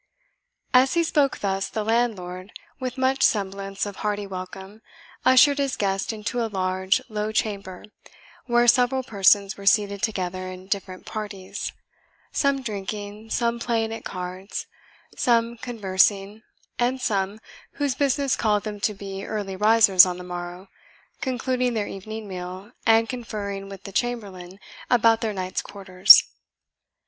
As he spoke thus, the landlord, with much semblance of hearty welcome, ushered his guest into a large, low chamber, where several persons were seated together in different parties some drinking, some playing at cards, some conversing, and some, whose business called them to be early risers on the morrow, concluding their evening meal, and conferring with the chamberlain about their night's quarters.